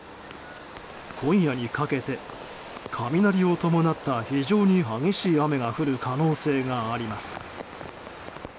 今夜にかけて雷を伴った非常に激しい雨が降る可能性があります。